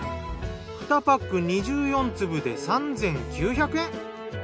２パック２４粒で３，９００円。